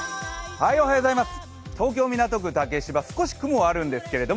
東京・港区竹芝、少し雲はあるんですけど